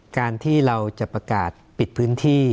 การที่เราจะประกาศปิดพื้นที่